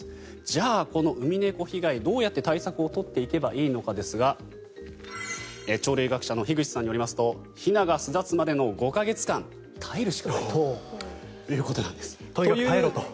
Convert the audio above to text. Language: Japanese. じゃあ、このウミネコ被害どうやって対策を取っていけばいいかですが鳥類学者の樋口さんによりますとひなが巣立つまでの５か月間耐えるしかないということなんです。